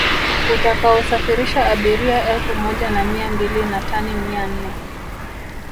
utakaosafirisha abiria elfu moja na mia mbili na tani mia nne